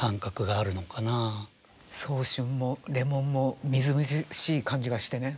早春もレモンもみずみずしい感じがしてね。